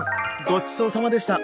ごちそうさまでした。